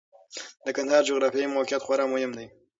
د کندهار جغرافیايي موقعیت خورا مهم دی.